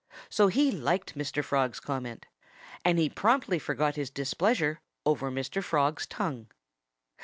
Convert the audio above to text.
So he liked Mr. Frog's comment. And he promptly forgot his displeasure over Mr. Frog's tongue.